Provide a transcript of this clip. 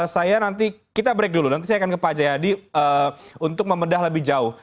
saya nanti kita break dulu nanti saya akan ke pak jayadi untuk membedah lebih jauh